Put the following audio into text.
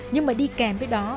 nhưng mà đi kèm với đó